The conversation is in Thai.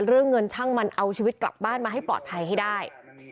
เรื่องเงินช่างมันเอาชีวิตกลับบ้านมาให้ปลอดภัยให้ได้